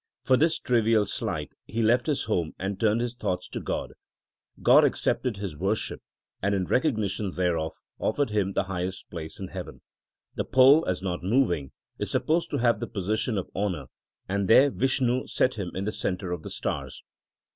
For this trivial slight he left his home and turned his thoughts to God. God accepted his worship, and in recognition thereof offered him the highest place in heaven. The pole, as not moving, is supposed to have the position of honour, and there Vishnu set him in the centre of the stars.